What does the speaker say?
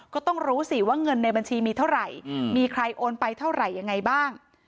ก็ต้องรู้สิว่าเงินในบัญชีมีเท่าไหร่มีใครโอนไปเท่าไหร่ยังไงบ้าง